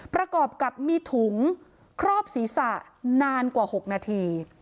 ประกอบกับมีถุงครอบศีรษะนานกว่า๖นาที